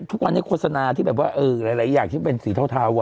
ทุกวันนี้โฆษณาที่แบบว่าหลายอย่างที่เป็นสีเทา